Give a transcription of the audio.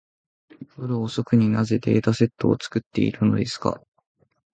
夜遅くに、なぜデータセットを作っているのですか。